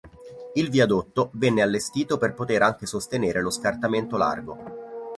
Il viadotto venne allestito per poter anche sostenere lo scartamento largo.